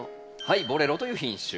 はいボレロという品種。